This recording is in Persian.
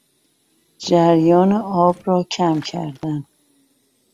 جریان آب را کم کردن